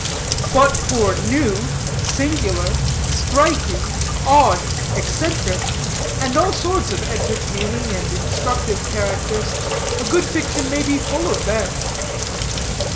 But for new, singular, striking, odd, eccentric, and all sorts of entertaining and instructive characters, a good fiction may be full of them.